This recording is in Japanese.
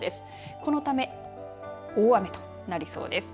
このため大雨となりそうです。